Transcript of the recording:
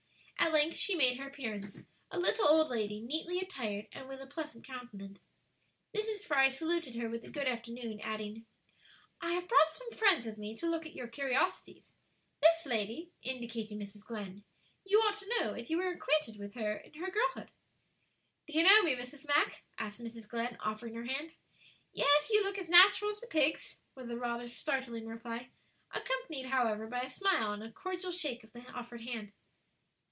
At length she made her appearance; a little old lady, neatly attired, and with a pleasant countenance. Mrs. Fry saluted her with a good afternoon, adding, "I have brought some friends with me to look at your curiosities. This lady," indicating Mrs. Glenn, "you ought to know, as you were acquainted with her in her girlhood." "Do you know me, Mrs. Mack?" asked Mrs. Glenn, offering her hand. "Yes, you look as natural as the pigs," was the rather startling reply; accompanied, however, by a smile and cordial shake of the offered hand.